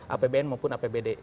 apbn maupun apbd